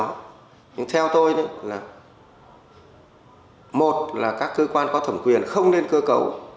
nhưng theo tôi là một là các cơ quan có thẩm quyền không nên cơ cấu